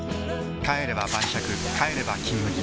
帰れば晩酌帰れば「金麦」